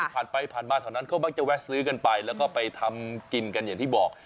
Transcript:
ผ่านไปผ่านมาแถวนั้นเขามักจะแวะซื้อกันไปแล้วก็ไปทำกินกันอย่างที่บอก